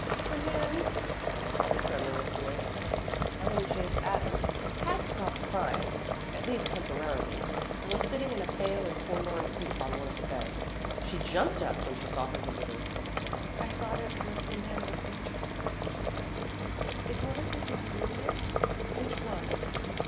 "Come in," called a tremulous voice. Helen Chase Adams had stopped crying, at least temporarily, and was sitting in a pale and forlorn heap on one of the beds. She jumped up when she saw her visitors. "I thought it was the man with my trunk," she said. "Is one of you my roommate? Which one?"